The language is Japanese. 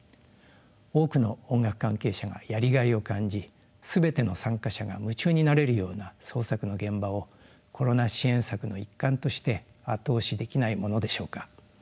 多くの音楽関係者がやりがいを感じ全ての参加者が夢中になれるような創作の現場をコロナ支援策の一環として後押しできないものでしょうか。